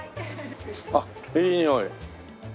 あっいいにおい。